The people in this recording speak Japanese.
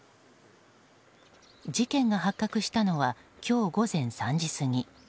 事件が発覚したのは今日午前３時過ぎ。